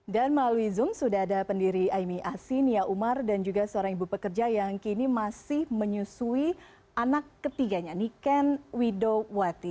dan melalui zoom sudah ada pendiri aimi asin nia umar dan juga seorang ibu pekerja yang kini masih menyusui anak ketiganya niken widowati